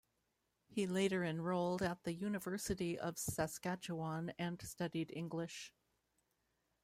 He later enrolled at the University of Saskatchewan and studied English.